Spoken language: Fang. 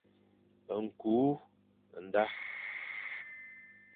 Ñkü nda.